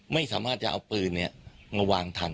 ไม่สามารถจะเอาปืนเนี่ยงวางทัน